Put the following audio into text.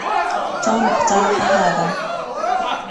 توم أقترحَ هذا.